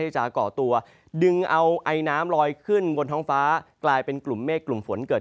จะก่อตัวดึงเอาไอน้ำลอยขึ้นบนท้องฟ้ากลายเป็นกลุ่มเมฆกลุ่มฝนเกิด